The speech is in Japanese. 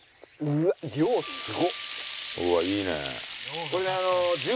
うわっいいね。